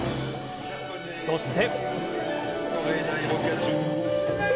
そして。